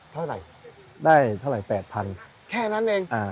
เท่าไหร่ได้เท่าไหร่แปดพันแค่นั้นเองอ่า